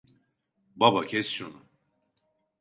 Baba, kes şunu.